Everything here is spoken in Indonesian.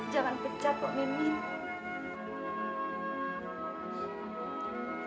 jangan pecah pak mimin